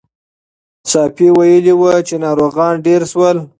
ساپی ویلي وو چې ناروغان ډېر شول.